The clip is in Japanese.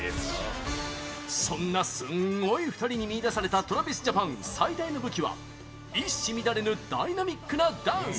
そんな、すんごい２人に見いだされた ＴｒａｖｉｓＪａｐａｎ 最大の武器は一糸乱れぬダイナミックなダンス！